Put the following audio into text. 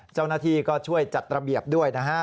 เจ้าหน้าที่ก็ช่วยจัดระเบียบด้วยนะฮะ